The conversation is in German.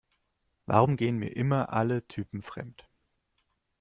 Warum gehen mir immer alle Typen fremd?